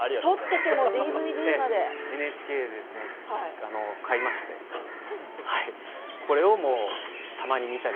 ＮＨＫにありましてこれをたまに見たり。